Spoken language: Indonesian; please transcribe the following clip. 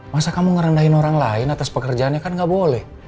masa kamu ngerendahin orang lain atas pekerjaannya kan gak boleh